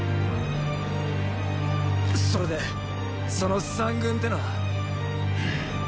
それでその三軍ってのは？